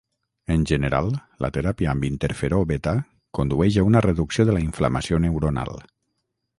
En general, la teràpia amb interferó beta condueix a una reducció de la inflamació neuronal.